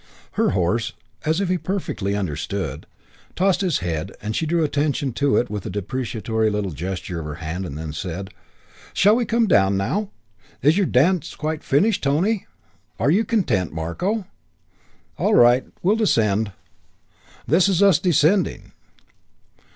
Her horse, as if he perfectly understood, tossed his head, and she drew attention to it with a deprecatory little gesture of her hand and then said, "Shall we come down now? Is your dance quite finished, Tony? Are you content, Marko? All right. We'll descend. This is us descending.